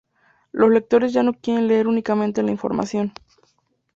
Los lectores ya no quieren leer únicamente la información.